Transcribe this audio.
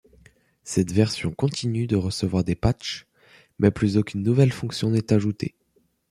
Cette version continue de recevoir des patchs, mais plus aucune nouvelle fonction n'est ajoutée.